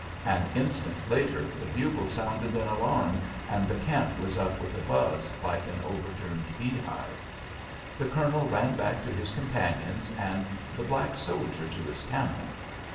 An instant later the bugle sounded an alarm, and the camp was up with a buzz like an overturned bee hive. The Colonel ran back to his companions, and the black soldier to his camel.